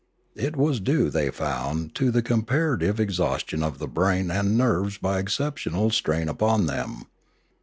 It was due, they found, to the comparative exhaustion of the brain and nerves by exceptional strain upon them.